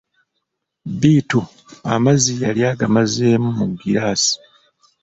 Bittu amazzi yali agamazeemu mu giraasi.